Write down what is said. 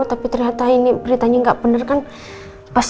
apa kabar rasanya sekarang pah